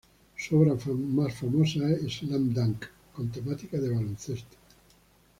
Su obra más famosa es "Slam Dunk", con temática de baloncesto.